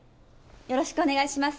よろしくお願いします。